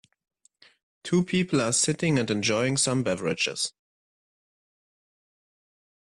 Two people are sitting and enjoying some beverages.